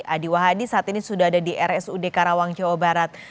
adi wahdi saat ini sudah ada di rsud karawang jawa barat